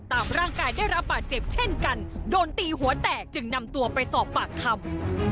ตามร่างกายได้รับบาดเจ็บเช่นกันโดนตีหัวแตกจึงนำตัวไปสอบปากคำ